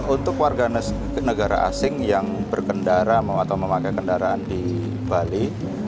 untuk warga negara asing yang berkendara atau memakai kendaraan di bali